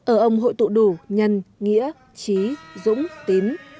ở ông hội tụ đủ nhân nghĩa trí dũng tín